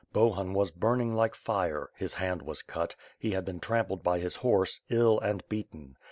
Bohun was burning like fire; his hand was cut; he had been trampled by his horse, ill and beaten.